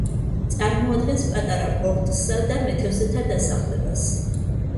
წარმოადგენს პატარა პორტსა და მეთევზეთა დასახლებას.